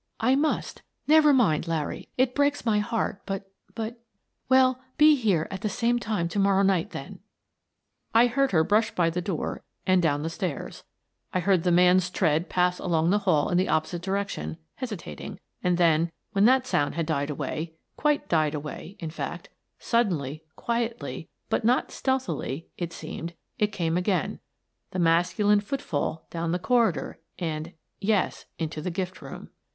" I must. Never mind, Larry, it breaks my heart, Exit the Jewels 35 but — but — Well, be here at the same time to morrow night, then/' I heard her brush by the door and down the stairs; I heard the man's tread pass along the hall in the opposite direction, hesitating; and then, when that sound had died away — quite died away, in fact, — suddenly, quietly, but not stealthily, it seemed, it came again, the masculine footfall, down the corridor and — yes, into the gift room.